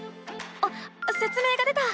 あっせつ明が出た！